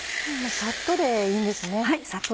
さっとでいいです。